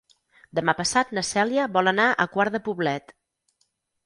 Demà passat na Cèlia vol anar a Quart de Poblet.